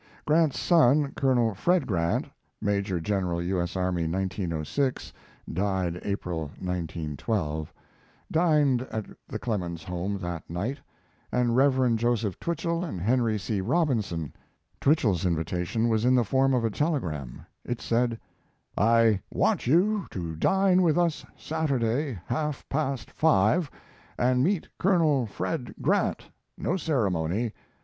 Grant's son, Col. Fred Grant, [Maj. Gen'l, U. S. Army, 1906. Died April, 1912.] dined at the Clemens home that night, and Rev. Joseph Twichell and Henry C. Robinson. Twichell's invitation was in the form of a telegram. It said: I want you to dine with us Saturday half past five and meet Col. Fred Grant. No ceremony.